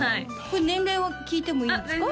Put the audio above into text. これ年齢は聞いてもいいですか？